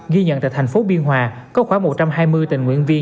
ghi nhận tại thành phố biên hòa có khoảng một trăm hai mươi tình nguyện viên